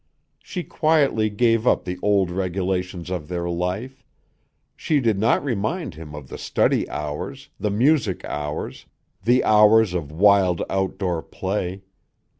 She quietly gave up the old regulations of their life; she did not remind him of the study hours, the music hours, the hours of wild outdoor play.